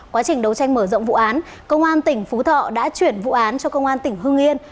quá trình đấu tranh mở rộng vụ án công an tỉnh phú thọ đã chuyển vụ án cho công an tỉnh hưng yên